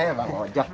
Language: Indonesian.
eh bang ojak